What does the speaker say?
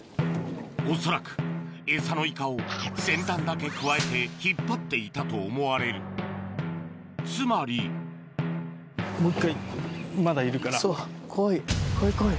恐らくエサのイカを先端だけくわえて引っ張っていたと思われるつまり・もう一回まだいるから・そうこいこいこい。